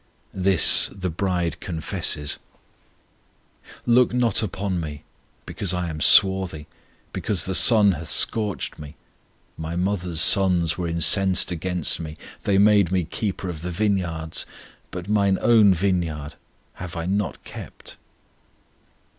This the bride confesses: Look not upon me, because I am swarthy, Because the sun hath scorched me. My mother's sons were incensed against me, They made me keeper of the vineyards; But mine own vineyard have I not kept.